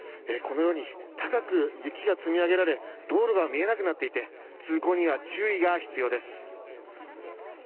このように高く雪が積み上げられ道路が見えなくなっていて通行には注意が必要です。